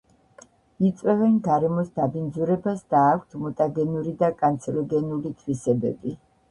იწვევენ გარემოს დაბინძურებას და აქვთ მუტაგენური და კანცეროგენული თვისებები.